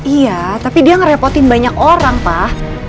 iya tapi dia ngerepotin banyak orang pak